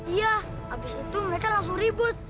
iya abis itu mereka langsung ribut